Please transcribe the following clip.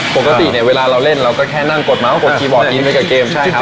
ปกติเนี่ยเวลาเราเล่นเราก็แค่นั่งกดเมาสกดคีย์บอร์ดยิ้มไว้กับเกมใช่ครับ